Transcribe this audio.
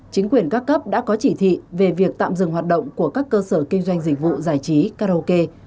chính quyền các cấp đã có chỉ thị về việc tạm dừng hoạt động của các cơ sở kinh doanh dịch vụ giải trí karaoke